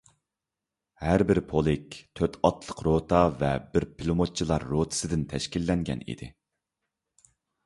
ھەربىر پولك تۆت ئاتلىق روتا ۋە بىر پىلىموتچىلار روتىسىدىن تەشكىللەنگەن ئىدى.